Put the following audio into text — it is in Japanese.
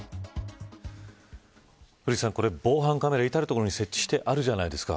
古市さん、これ防犯カメラ至る所に設置してあるじゃないですか。